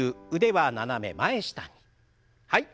はい。